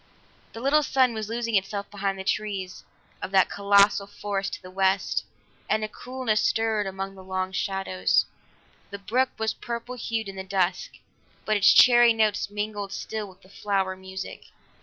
The little sun was losing itself behind the trees of that colossal forest to the west, and a coolness stirred among long shadows. The brook was purple hued in the dusk, but its cheery notes mingled still with the flower music.